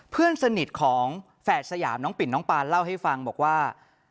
เพื่อนสนิทของแฝดสยามน้องปิ่นน้องปานเล่าให้ฟังบอกว่า